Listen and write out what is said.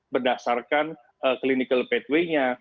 berdasarkan clinical pathway nya